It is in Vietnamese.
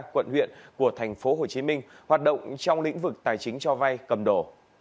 quận huyện của tp hcm hoạt động trong lĩnh vực tài chính cho vay cầm đồ